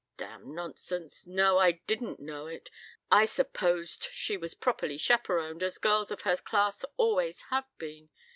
"Damn nonsense. No, I didn't know it. I supposed she was properly chaperoned, as girls of her class always have been.